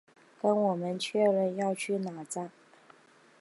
跟我们确认要去那站